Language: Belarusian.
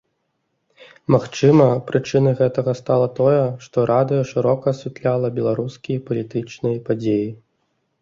Магчыма, прычынай гэтага стала тое, што радыё шырока асвятляла беларускія палітычныя падзеі.